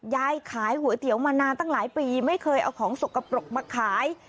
ยายขายก๋วยเตี๋ยวมานานตั้งหลายปีไม่เคยเอาของสกปรกมาขาย